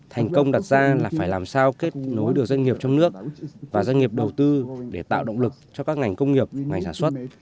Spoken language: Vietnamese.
thành công đặt ra là phải làm sao kết nối được doanh nghiệp trong nước và doanh nghiệp đầu tư để tạo động lực cho các ngành công nghiệp ngành sản xuất